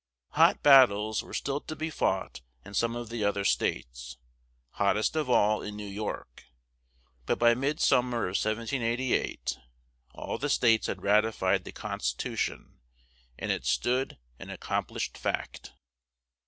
Hot battles were still to be fought in some of the other states, hottest of all in New York, but by midsummer of 1788 all the states had ratified the Constitution, and it stood an accomplished fact.